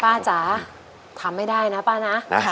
จ๋าทำไม่ได้นะป้านะ